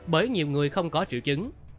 bởi nhiều người không có triệu chứng